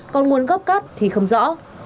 còn nguồn góp cát thì không rõ